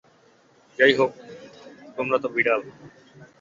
যাইহোক, তোমরা তো বিড়াল।